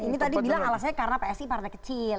ini tadi bilang alasannya karena psi partai kecil